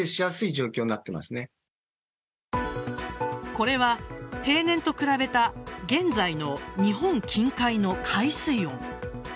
これは平年と比べた現在の日本近海の海水温。